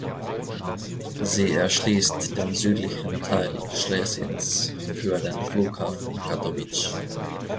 Sie erschließt den südlichen Teil Schlesiens für den Flughafen Katowice.